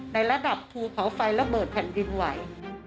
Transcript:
ในระดับภูเขาไฟระเบิดแผ่นดินไหว